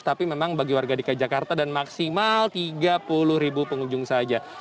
tapi memang bagi warga dki jakarta dan maksimal tiga puluh ribu pengunjung saja